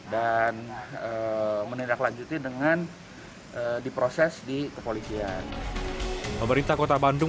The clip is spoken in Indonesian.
dan menindaklanjuti dengan diproses